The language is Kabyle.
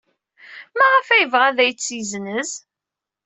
Maɣef ay yebɣa ad tt-yessenz?